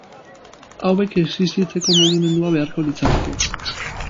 Hauek existitzeko mugimendua beharko litzateke.